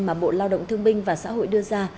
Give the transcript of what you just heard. mà bộ lao động thương binh và xã hội đưa ra